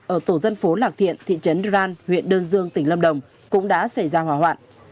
ở tổ dân phố lạc thiện thị trấn đoan huyện đơn dương tỉnh lâm đồng cũng đã xảy ra hỏa hoạn